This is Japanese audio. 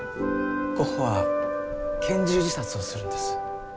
ゴッホは拳銃自殺をするんです。